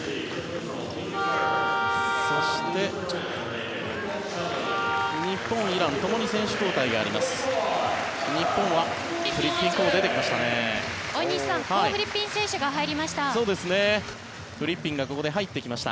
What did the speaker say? そして日本、イランともに選手交代があります。